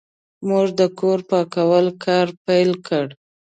موږ د کور پاکولو کار پیل کړ.